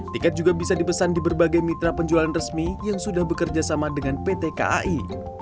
tiket juga bisa dipesan di berbagai mitra penjualan resmi yang sudah bekerja sama dengan pt kai